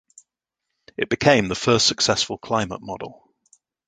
It became the first successful climate model.